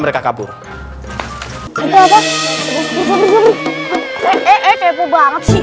mereka kabur itu apa